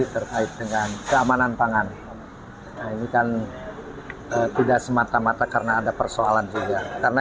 terkait dengan keamanan pangan ini kan tidak semata mata karena ada persoalan juga karena